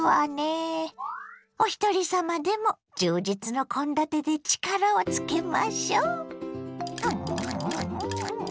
おひとり様でも充実の献立で力をつけましょ。